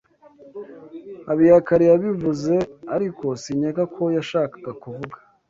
Habiyakare yabivuze, ariko sinkeka ko yashakaga kuvuga.